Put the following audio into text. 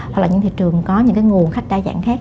hoặc là những thị trường có những nguồn khách đa dạng khác